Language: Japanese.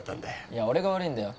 いや俺が悪いんだよ